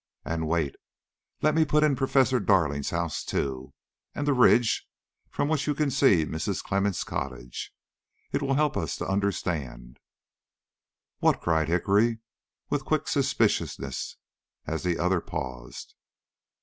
And wait, let me put in Professor Darling's house, too, and the ridge from which you can see Mrs. Clemmens' cottage. It will help us to understand " "What?" cried Hickory, with quick suspiciousness, as the other paused.